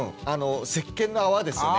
せっけんの泡ですよね。